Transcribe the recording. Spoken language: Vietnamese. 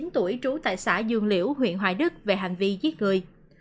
một mươi chín tuổi trú tại xã dương liễu huyện hoài đức về hành vi giết người